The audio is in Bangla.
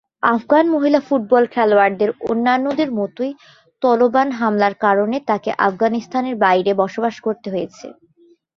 আফগান মহিলা ফুটবল খেলোয়াড়দের অন্যান্যদের মতোই, তালেবান হামলার কারণে তাকে আফগানিস্তানের বাইরে বসবাস করতে হয়েছে।